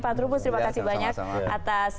pak trubus terima kasih banyak atas